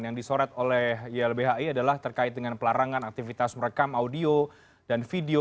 yang disorot oleh ylbhi adalah terkait dengan pelarangan aktivitas merekam audio dan video